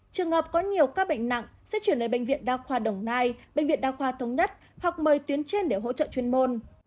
trường hợp có nhiều ca bệnh nặng sẽ chuyển đến bệnh viện đa khoa đồng nai bệnh viện đa khoa thống nhất hoặc mời tuyến trên để hỗ trợ chuyên môn